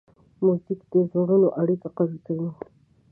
موزیک د زړونو اړیکه قوي کوي.